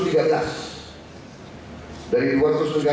kalau dari sini untuk berhenti kita